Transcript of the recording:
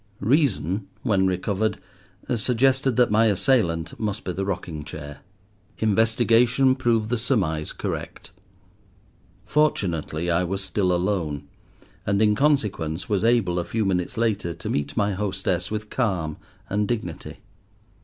Reason, when recovered, suggested that my assailant must be the rocking chair. Investigation proved the surmise correct. Fortunately I was still alone, and in consequence was able, a few minutes later, to meet my hostess with calm and dignity.